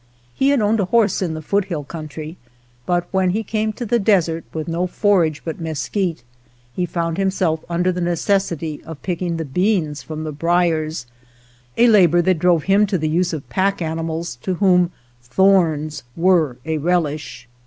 He had owned a horse in the foothill country, but when he came to the desert with no forage but mes quite, he found himself under the neces sity of picking the beans from the briers, 65 THE POCKET HUNTER a labor that drove him to the use of pack animals to whom thorns were a relish.